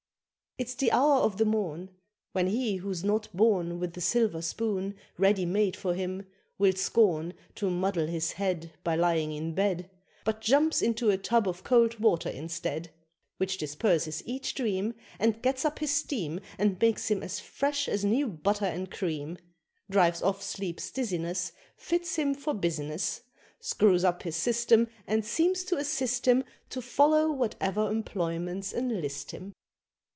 It's the hour of the morn When he who's not born With a silver spoon ready made for him, will scorn To muddle his head By lying in bed, But jumps into a tub of cold water instead; Which disperses each dream, And gets up his steam, And makes him as fresh as new butter and cream; Drives off sleep's dizziness, Fits him for business, Screws up his system, And seems to assist him To follow whatever employments enlist him.